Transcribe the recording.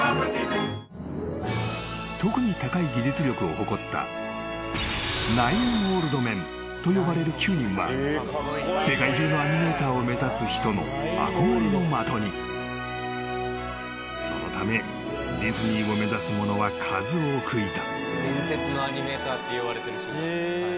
［特に高い技術力を誇ったナイン・オールド・メンと呼ばれる９人は世界中のアニメーターを目指す人の憧れの的に］［そのためディズニーを目指す者は数多くいた］